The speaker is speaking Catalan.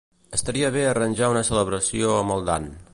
Estaria bé arranjar una celebració amb el Dan.